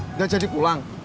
nggak jadi pulang